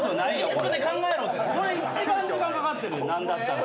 これ一番時間かかってる何だったら。